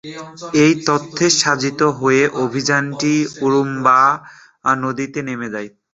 এই তথ্যে সজ্জিত হয়ে অভিযানটি উরুবাম্বা নদীতে নেমে যায়।